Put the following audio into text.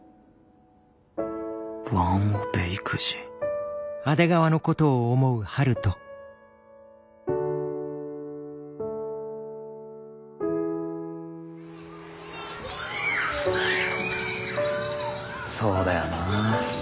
ワンオペ育児そうだよな。